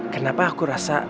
kenapa aku rasa